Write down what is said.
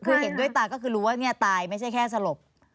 คือเห็นด้วยตาก็คือรู้ว่าเนี่ยตายไม่ใช่แค่สลบ